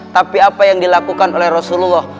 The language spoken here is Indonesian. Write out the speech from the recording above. tapi apa yang dilakukan oleh rasulullah